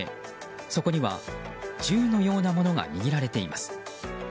そこには銃のようなものが握られています。